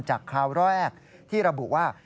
คราวแรกที่ระบุว่า